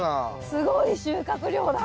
すごい収穫量だ。